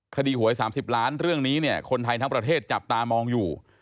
หวย๓๐ล้านเรื่องนี้เนี่ยคนไทยทั้งประเทศจับตามองอยู่